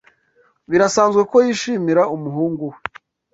Birasanzwe ko yishimira umuhungu we.